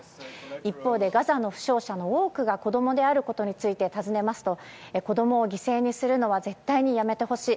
一方でガザの負傷者の多くが子供であることについて尋ねますと子供を犠牲にするのは絶対にやめてほしい。